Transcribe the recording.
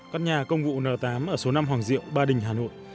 các nhà công vụ n tám ở số năm hoàng diệu ba đình hà nội